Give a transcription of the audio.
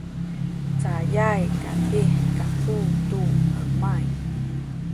cayay kaydih kaku tu hemay